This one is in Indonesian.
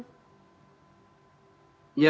ya dulu kami melihat